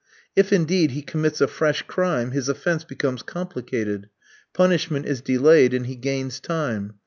If, indeed, he commits a fresh crime his offence becomes complicated. Punishment is delayed, and he gains time.